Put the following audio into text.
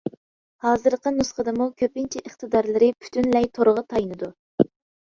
ھازىرقى نۇسخىسىدىمۇ كۆپىنچە ئىقتىدارلىرى پۈتۈنلەي تورغا تايىنىدۇ.